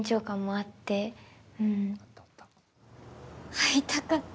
会いたかった。